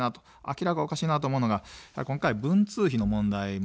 明らかにおかしいなと思うのが今回、文通費の問題もあったと思います。